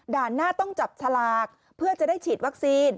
หน้าต้องจับฉลากเพื่อจะได้ฉีดวัคซีน